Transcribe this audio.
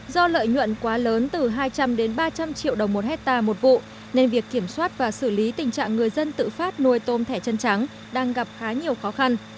do lợi nhuận quá lớn từ hai trăm linh đến ba trăm linh triệu đồng một hectare một vụ nên việc kiểm soát và xử lý tình trạng người dân tự phát nuôi tôm thẻ chân trắng đang gặp khá nhiều khó khăn